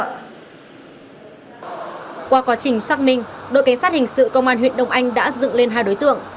qua quá trình xác minh đội cảnh sát hình sự công an huyện đông anh đã dựng lên hai đối tượng